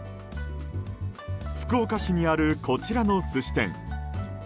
福岡市にある、こちらの寿司店。